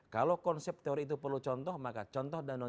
kalau konsep teori itu perlu contoh maka contoh dan nonton